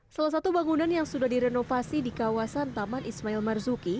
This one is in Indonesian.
salah satu bangunan yang sudah direnovasi di kawasan taman ismail marzuki